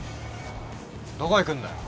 どこ行くんだよ。